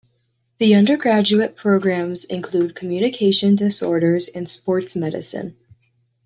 The undergraduate programs include Communication Disorders and Sports Medicine.